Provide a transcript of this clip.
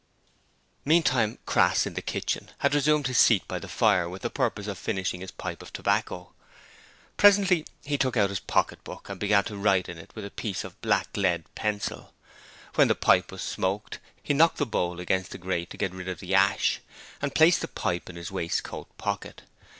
Meantime, Crass, in the kitchen, had resumed his seat by the fire with the purpose of finishing his pipe of tobacco. Presently he took out his pocket book and began to write in it with a piece of black lead pencil. When the pipe was smoked out he knocked the bowl against the grate to get rid of the ash, and placed the pipe in his waistcoat pocket.